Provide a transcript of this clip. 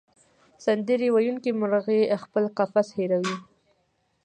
سندرې ویونکې مرغۍ خپل قفس هېروي.